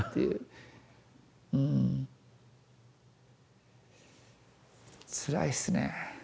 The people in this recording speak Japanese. うんつらいですね。